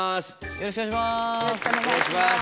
よろしくお願いします。